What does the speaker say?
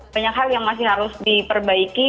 banyak hal yang masih harus diperbaiki